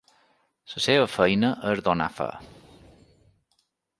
La seva feina és donar fe.